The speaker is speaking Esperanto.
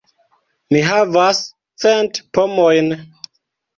Mi havas cent pomojn.